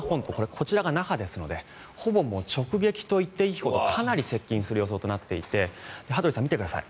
こちらが那覇ですのでほぼ直撃といっていいほどかなり接近する予想となっていて羽鳥さん、見てください。